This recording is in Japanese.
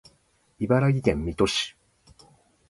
茨城県水戸市